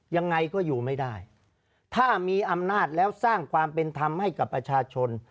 ยังไงก็อยู่ไม่ได้ถ้ามีอำนาจแล้วสร้างความเป็นธรรมให้กับประชาชน